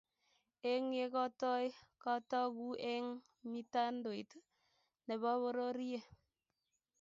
Eng ye kotoi kotokuu eng mitandaoit ne bo bororie.